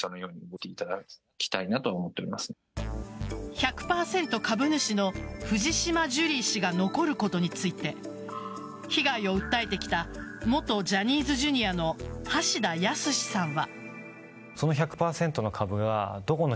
１００％株主の藤島ジュリー氏が残ることについて被害を訴えてきた元ジャニーズＪｒ．の橋田康さんは。